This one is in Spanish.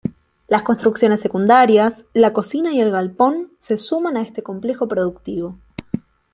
Las construcciones secundarias, la cocina y el galpón, se suman a este complejo productivo.